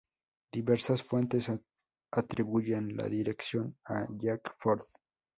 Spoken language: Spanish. Diversas fuentes atribuyen la dirección a Jack Ford.